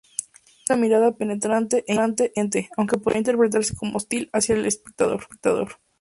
Tiene una mirada penetrante e inteligente, aunque podría interpretarse como hostil hacia el espectador.